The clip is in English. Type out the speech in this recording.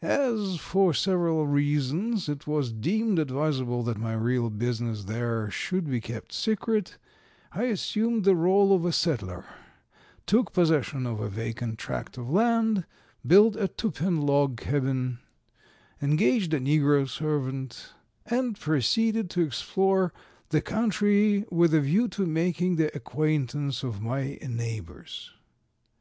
As, for several reasons, it was deemed advisable that my real business there should be kept secret, I assumed the rôle of a settler, took possession of a vacant tract of land, built a two pen log cabin, engaged a negro servant, and proceeded to explore the country with a view to making the acquaintance of my neighbors.